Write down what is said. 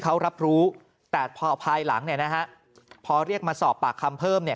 เขารับรู้แต่พอภายหลังเนี่ยนะฮะพอเรียกมาสอบปากคำเพิ่มเนี่ย